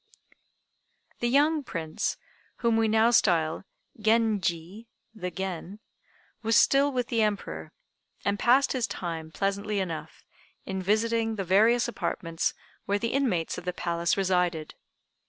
The young Prince, whom we now style Genji (the Gen), was still with the Emperor, and passed his time pleasantly enough in visiting the various apartments where the inmates of the palace resided.